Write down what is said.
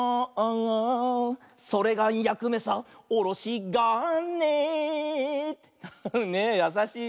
「それがやくめさおろしがね」ねえやさしい。